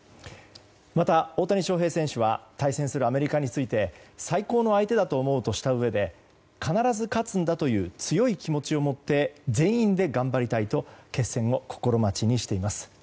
また、大谷翔平選手は対戦するアメリカについて最高の相手だと思うとしたうえで必ず勝つんだという強い気持ちを持って全員で頑張りたいと決戦を心待ちにしています。